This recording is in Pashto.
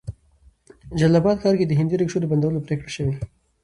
جلال آباد ښار کې د هندي ريکشو د بندولو پريکړه شوې